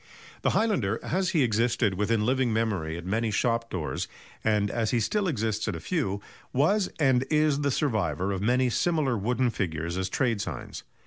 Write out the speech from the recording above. The highlander, as he existed within living memory at many shop doors, and as he still exists at a few, was and is the survivor of many similar wooden figures as trade signs.